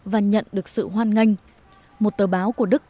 và nhận được sự hoan nghênh một tờ báo của đức